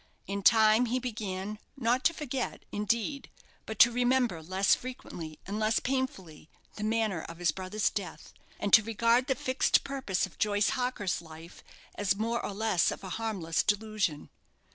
In time he began, not to forget, indeed, but to remember less frequently and less painfully, the manner of his brother's death, and to regard the fixed purpose of Joyce Harker's life as more or less of a harmless delusion.